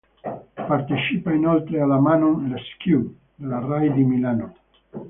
Partecipa inoltre alla "Manon Lescaut" della Rai di Milano.